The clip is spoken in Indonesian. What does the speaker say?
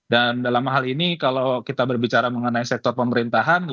dan dalam hal ini kalau kita berbicara mengenai sektor pemerintahan